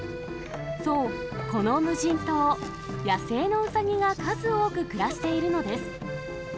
そう、この無人島、野生のウサギが数多く暮らしているのです。